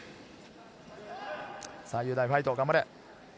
雄大ファイト頑張れ！